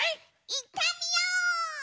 いってみよう！